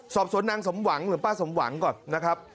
สอบสวนนางสมหวังหรือป้าสมหวังก่อนนะครับ